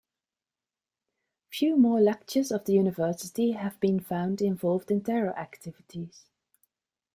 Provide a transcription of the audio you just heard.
Few more lectures of the University have been found involved in terror activities.